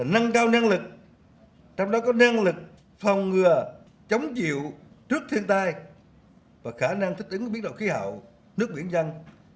nâng cao năng lực trong đó có năng lực phòng ngừa chống chịu trước thiên tai và khả năng thích ứng với biến đổi khí hậu nước biển dân